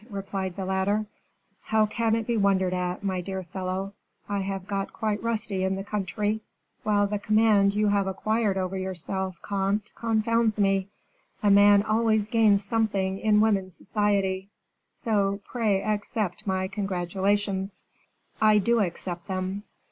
replied the latter. "How can it be wondered at, my dear fellow; I have got quite rusty in the country, while the command you have acquired over yourself, comte, confounds me; a man always gains something in women's society; so, pray accept my congratulations." "I do accept them."